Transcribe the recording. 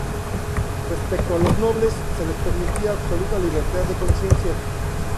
Respecto a los nobles, se les permitía absoluta libertad de conciencia.